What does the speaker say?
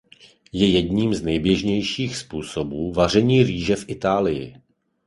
Je jedním z nejběžnějších způsobů vaření rýže v Itálii.